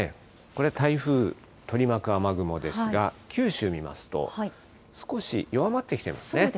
これ、台風取り巻く雨雲ですが、九州見ますと、少し弱まってきていますね。